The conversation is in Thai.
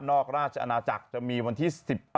นอกราชอาณาจักรจะมีวันที่๑๘